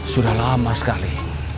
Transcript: sudah lama sekali